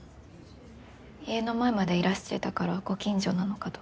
家の前までいらしてたからご近所なのかと。